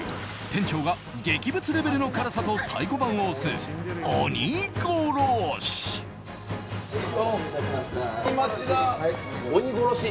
店長が劇物レベルの辛さと太鼓判を押す鬼殺し。